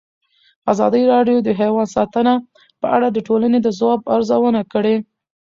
ازادي راډیو د حیوان ساتنه په اړه د ټولنې د ځواب ارزونه کړې.